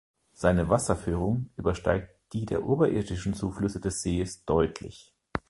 Seine Wasserführung übersteigt die der oberirdischen Zuflüsse des Sees deutlich.